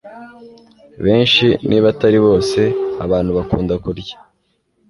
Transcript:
benshi, niba atari bose, abantu bakunda kurya